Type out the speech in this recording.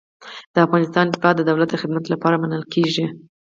د افغانستان اتباع د دولت د خدمت لپاره منل کیږي.